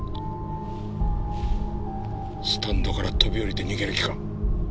スタンドから飛び降りて逃げる気か？